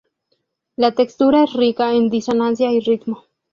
La textura es rica en disonancia y ritmo.